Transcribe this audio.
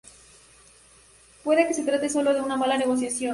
Puede que se trate solo de una mala negociación